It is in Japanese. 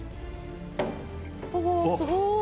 あすごい。